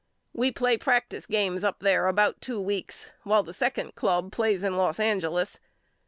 We play practice games up there about two weeks while the second club plays in Los Angeles.